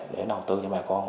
để đầu tư cho bà con